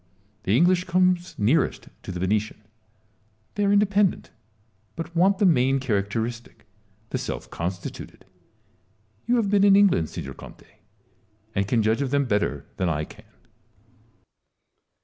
The English comes nearest to the Venetian : they are independent, but want the main characteristic, the self constituted. You have been in England, signor Conte, and can judge of them better than I can.